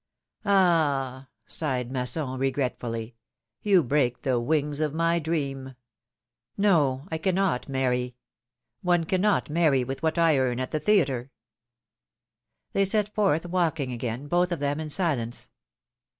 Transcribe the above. sighed Masson, regretfully, ^^you break the wings of my dream ! No, I cannot many ! One cannot marry with what I earn at the theatre." PHILOMi:NE's MARRIAGES. 167 They set forth walking again, both of them in silence.